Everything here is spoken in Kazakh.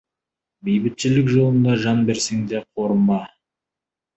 Бейбітшілік жолында жан берсең де, қорынба.